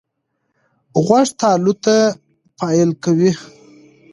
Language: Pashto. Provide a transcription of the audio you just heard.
غوږ تالو ته پایل کوي.